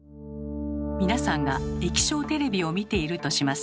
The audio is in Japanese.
皆さんが液晶テレビを見ているとします。